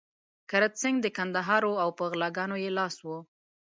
کرت سېنګ د کندهار وو او په غلاګانو يې لاس و.